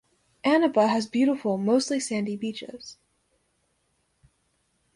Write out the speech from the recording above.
Anapa has beautiful, mostly sandy beaches.